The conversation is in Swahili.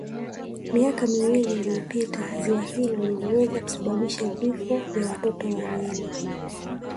Miaka miwili iliyopita ziwa hilo liliweza kusababisha vifo vya watoto wawili